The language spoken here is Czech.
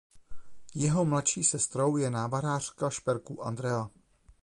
Jeho mladší sestrou je návrhářka šperků Andrea.